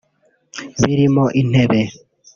birimo intebe